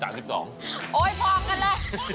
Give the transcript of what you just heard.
โอ้ยพอล์กันแหละ